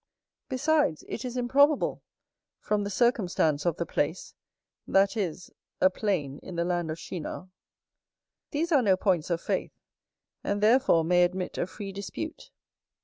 Besides, it is improbable, from the circumstance of the place; that is, a plain in the land of Shinar. These are no points of faith; and therefore may admit a free dispute.